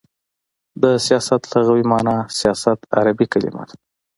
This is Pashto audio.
د سیاست لغوی معنا : سیاست عربی کلمه ده.